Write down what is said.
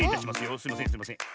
すいませんすいません。